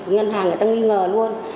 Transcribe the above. ngân hàng người ta nghi ngờ luôn